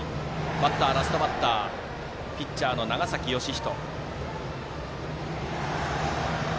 バッター、ラストバッターピッチャーの長崎義仁。